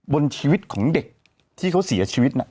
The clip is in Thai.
บนชีวิตของเด็กที่เขาเสียชีวิต